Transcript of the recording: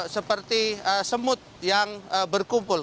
seperti semut yang berkumpul